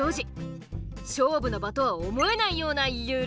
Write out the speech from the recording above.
勝負の場とは思えないようなゆるい感じ。